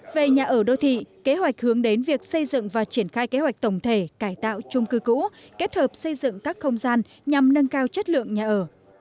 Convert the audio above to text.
về nhà ở đô thị kế hoạch hướng đến việc xây dựng và triển khai kế hoạch tổng thể cải tạo trung cư cũ kết hợp xây dựng các không gian nhằm nâng cao chất lượng nhà ở